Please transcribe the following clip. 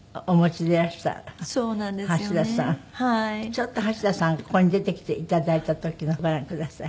ちょっと橋田さんがここに出てきて頂いた時のをご覧ください。